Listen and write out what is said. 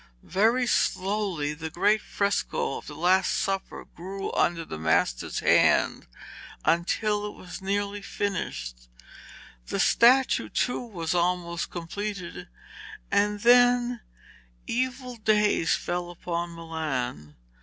Very slowly the great fresco of the Last Supper grew under the master's hand until it was nearly finished. The statue, too, was almost completed, and then evil days fell upon Milan.